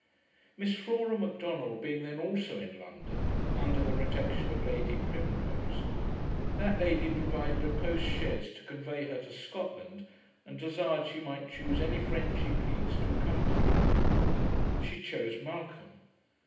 Miss Flora Macdonald being then also in London, under the protection of Lady Primrose, that lady provided a post chaise to convey her to Scotland, and desired she might choose any friend she pleased to accompany her. She chose Malcolm.